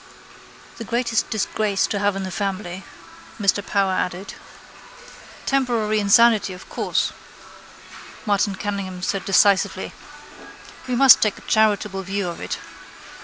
—The greatest disgrace to have in the family, Mr Power added. —Temporary insanity, of course, Martin Cunningham said decisively. We must take a charitable view of it.